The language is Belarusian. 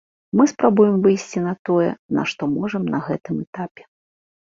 Мы спрабуем выйсці на тое, на што можам на гэтым этапе.